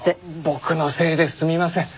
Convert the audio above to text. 僕のせいですみません。